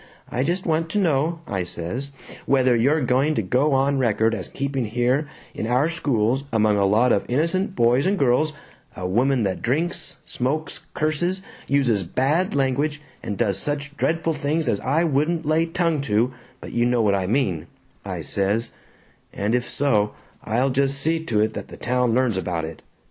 I just want to know,' I says, 'whether you're going to go on record as keeping here in our schools, among a lot of innocent boys and girls, a woman that drinks, smokes, curses, uses bad language, and does such dreadful things as I wouldn't lay tongue to but you know what I mean,' I says, 'and if so, I'll just see to it that the town learns about it.'